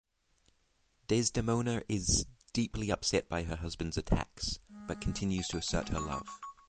Desdemona is deeply upset by her husband's attacks but continues to assert her love.